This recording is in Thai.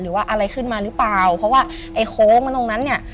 หรือว่าอะไรขึ้นมาหรือเปล่าเพราะว่าไอ้โค้งตรงนั้นเนี่ย